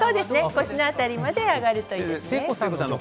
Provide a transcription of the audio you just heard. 腰の辺りまで上がるといいですね。